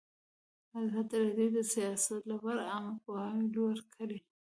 ازادي راډیو د سیاست لپاره عامه پوهاوي لوړ کړی.